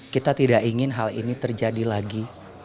kita tidak ingin hal ini terjadi lagi